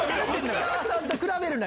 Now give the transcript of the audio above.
石川さんと比べるな！